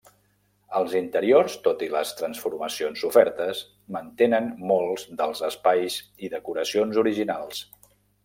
Els interiors, tot i les transformacions sofertes, mantenen molts dels espais i decoracions originals.